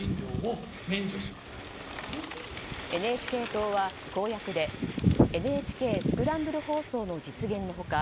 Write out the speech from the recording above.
ＮＨＫ党は公約でＮＨＫスクランブル放送の実現の他